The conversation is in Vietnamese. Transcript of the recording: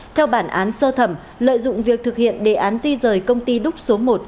theo bản án sơ thẩm lợi dụng việc thực hiện đề án di rời công ty đúc số một